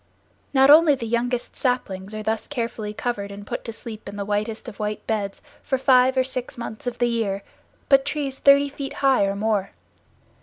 Not only the young saplings are thus carefully covered and put to sleep in the whitest of white beds for five or six months of the year, but trees thirty feet high or more.